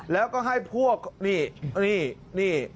แล้วก็ให้พวกนี่นี่